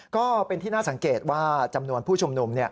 ก็เป็นที่น่าสังเกตว่าจำนวนผู้ชุมนุม